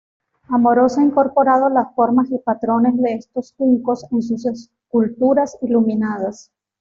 Amorós ha incorporado las formas y patrones de estos juncos en sus esculturas iluminadas.